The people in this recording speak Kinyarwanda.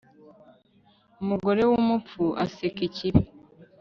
umugore w'umupfu aseka ikibi